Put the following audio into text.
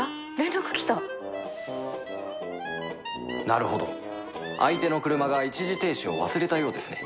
なるほど相手の車が一時停止を忘れたようですね